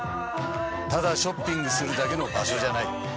ただショッピングするだけの場所じゃない。